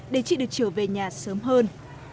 để chị được trở về nhà sớm hơn